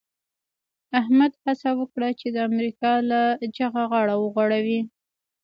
احمد هڅه وکړه چې د امریکا له جغه غاړه وغړوي.